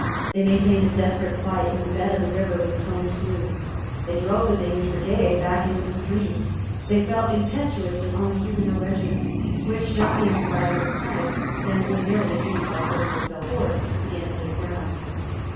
They maintained a desperate fight in the bed of the river with Sulmes's Blues. They drove the Danish brigade back into the stream. They fell impetuously on the Huguenot regiments, which, not being provided with pikes, then ordinarily used by foot to repel horse, began to give ground.